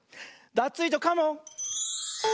ダツイージョカモン！